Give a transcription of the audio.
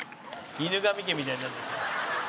『犬神家』みたいになってる。